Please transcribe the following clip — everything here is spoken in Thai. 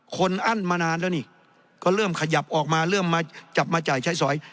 อั้นมานานแล้วนี่ก็เริ่มขยับออกมาเริ่มมาจับมาจ่ายใช้สอย